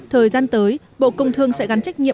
thời gian tới bộ công thương sẽ gắn trích